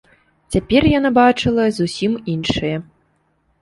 Цяпер яна бачыла зусім іншае.